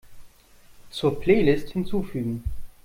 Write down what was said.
Zur Playlist hinzufügen.